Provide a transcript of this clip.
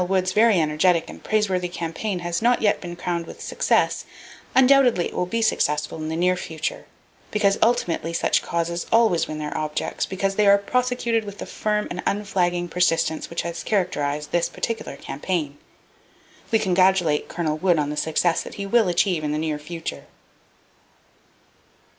Wood's very energetic and praiseworthy campaign has not yet been crowned with success, undoubtedly it will be successful in the near future, because ultimately such causes always win their objects, provided they are prosecuted with the firm and unflagging persistence which has characterized this particular campaign. We congratulate Col. Wood on the success that he will achieve in the near future!